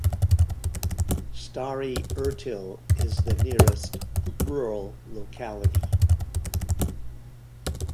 Stary Ertil is the nearest rural locality.